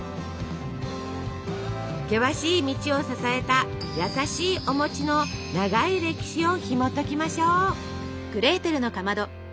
険しい道を支えた優しいおの長い歴史をひもときましょう。